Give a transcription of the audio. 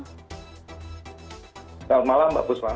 selamat malam mbak busma